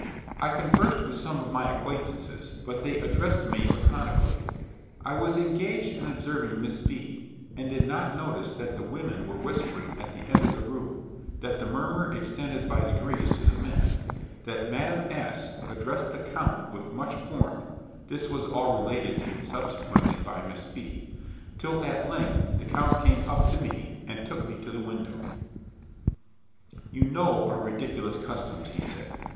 I conversed with some of my acquaintances, but they answered me laconically. I was engaged in observing Miss B , and did not notice that the women were whispering at the end of the room, that the murmur extended by degrees to the men, that Madame S addressed the count with much warmth (this was all related to me subsequently by Miss B ); till at length the count came up to me, and took me to the window. "You know our ridiculous customs," he said.